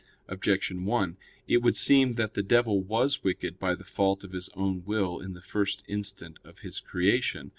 Objection 1: It would seem that the devil was wicked by the fault of his own will in the first instant of his creation.